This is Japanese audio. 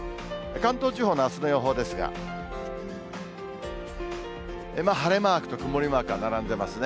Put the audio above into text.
関東地方のあすの予報ですが、晴れマークと曇りマークが並んでますね。